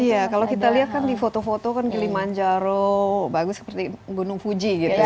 iya kalau kita lihat kan di foto foto kan gilimanjaro bagus seperti gunung fuji gitu ya